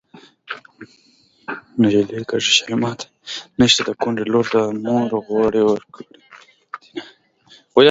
نجلۍ کږه شوه ماته نشته د کونډې لور ده مور غوړي ورکړې دينه